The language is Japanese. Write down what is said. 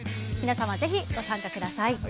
皆様、ぜひご参加ください。